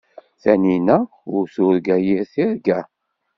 Tanina ur turga yir tirga.